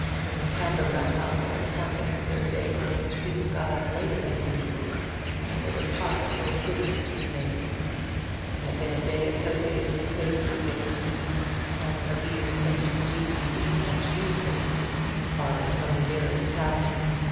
In the Camberwell household Sunday had been a day on which people got up later than usual, and there were pies or puddings to be made. It had been a day associated with savoury baked meats, and a beer stained "Weekly Dispatch" newspaper borrowed from the nearest tavern.